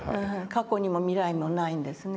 過去にも未来にもないんですね。